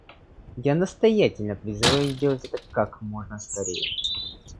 Я настоятельно призываю их сделать это как можно скорее.